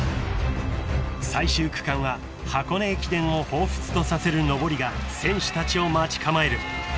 ［最終区間は箱根駅伝をほうふつとさせる上りが選手たちを待ち構える］